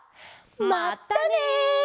まったね！